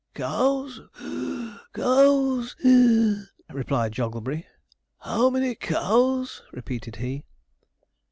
'Cows (puff), cows (wheeze)?' replied Jogglebury; 'how many cows?' repeated he.